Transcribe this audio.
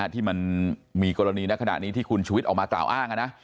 ที่มันมีกรณีในขณะนี้ที่คุณชุวิตออกมากล่าวอ้าง